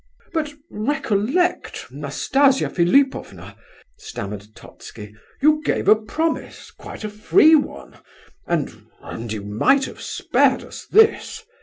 "But—recollect, Nastasia Philipovna," stammered Totski, "you gave a promise, quite a free one, and—and you might have spared us this.